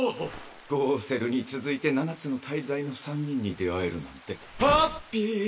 ゴウセルに続いて七つの大罪の三人に出会えるなんてハッピー！